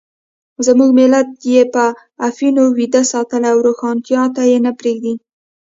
زموږ ملت یې په افیون ویده ساتلی او روښانتیا ته یې نه پرېږدي.